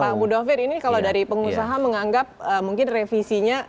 pak mudofir ini kalau dari pengusaha menganggap mungkin revisinya